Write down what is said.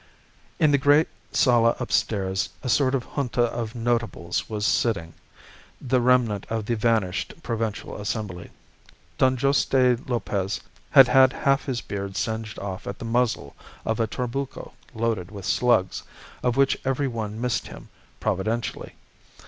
"In the great sala upstairs a sort of Junta of Notables was sitting, the remnant of the vanished Provincial Assembly. Don Juste Lopez had had half his beard singed off at the muzzle of a trabuco loaded with slugs, of which every one missed him, providentially.